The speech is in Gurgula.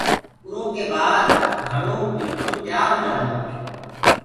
اُرو ڪي بآد گھڙو بِلڪُل تيآر هوجآندو هي۔